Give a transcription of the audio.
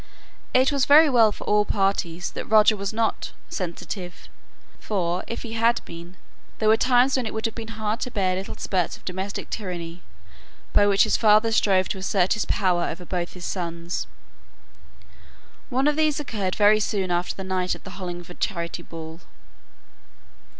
It was very well for all parties that Roger was not "sensitive," for, if he had been, there were times when it would have been hard to bear little spurts of domestic tyranny, by which his father strove to assert his power over both his sons. One of these occurred very soon after the night of the Hollingford charity ball.